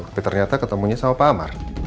tapi ternyata ketemunya sama pak amar